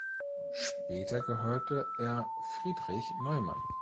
Später gehörte er Friedrich Neumann.